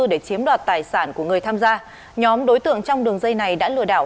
để chiếm đoạt tài sản của người tham gia nhóm đối tượng trong đường dây này đã lừa đảo